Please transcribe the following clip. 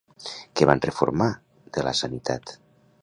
Què van reformar de la sanitat?